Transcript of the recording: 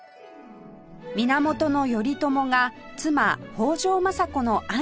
源頼朝が妻北条政子の安産を願い